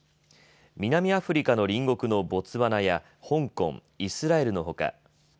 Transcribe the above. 南アフリカの隣国のボツワナや香港、イスラエルのほか。